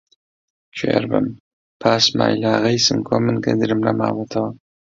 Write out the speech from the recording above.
کوێر بم، پاش سمایلاغای سمکۆ من گەدرم نەماوەتەوە!